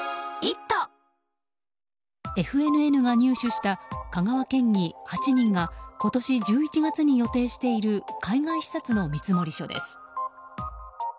ＦＮＮが入手した香川県議８人が今年１１月に予定している海外視察の見積書です。